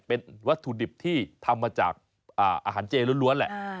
เป็นวัตถุดิบที่ทำมาจากอาหารเจล้วนแหละ